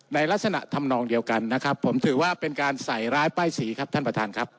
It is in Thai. ในลักษณะทำนองเดียวกันนะครับผมถือว่าเป็นการใส่ร้ายป้ายสีครับท่านประธานครับ